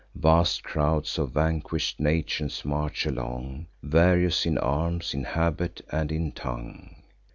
Vast crowds of vanquish'd nations march along, Various in arms, in habit, and in tongue.